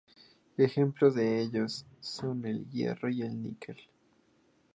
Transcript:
Ejemplos de ellos son el hierro y el níquel.